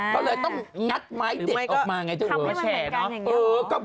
เค้าเลยต้องงัดไม้เด็กออกมาอย่างไรจังหวะก็เหมาะไม่เป็นแหงล่ะ